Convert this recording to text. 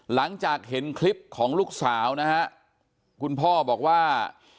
หลังจากเห็นคลิปของลูกสาวนะฮะคุณพ่อบอกว่า